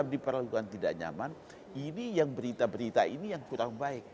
kalau dia susah merasa diperlakukan tidak nyaman ini yang berita berita ini yang kurang baik